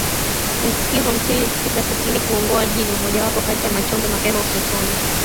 ya sikio hamsini na tisasitini Kungoa jino mojawapo kati ya machonge mapema utotoni